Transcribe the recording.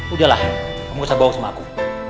udahlah kamu usah bawa sama aku